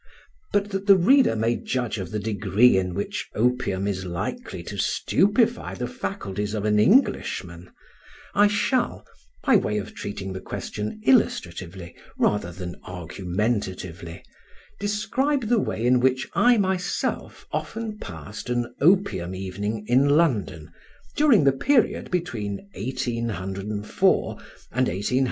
But that the reader may judge of the degree in which opium is likely to stupefy the faculties of an Englishman, I shall (by way of treating the question illustratively, rather than argumentatively) describe the way in which I myself often passed an opium evening in London during the period between 1804 1812.